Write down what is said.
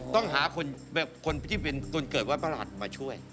ต้องหาคนแบบควรที่เป็นต้นเกิดวันพระหัทธิ์มาช่วย